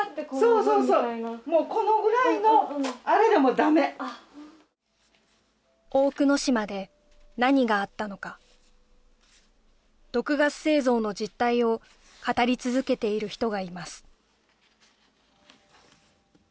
そうそうそうもうこのぐらいのあれでもダメ大久野島で何があったのか毒ガス製造の実態を語り続けている人がいます